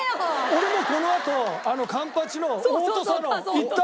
俺もこのあと環八のオートサロン行った？